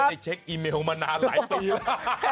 ได้เช็คอีเมลมานานหลายปีแล้ว